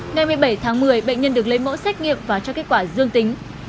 ngày một mươi bảy tháng một mươi bệnh nhân được lấy mẫu xét nghiệm và cho kết quả dương tính